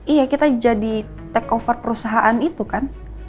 iya kita jadi takeover perusahaan itu kan